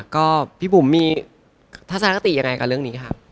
ก็พี่บุ๋มมีทัศนาคตีไงกับเรื่องนี้